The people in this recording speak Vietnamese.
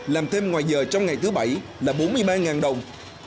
làm thêm ngoài giờ trong ngày thứ bảy là bốn mươi ba đồng